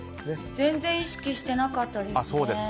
全然、意識してなかったです。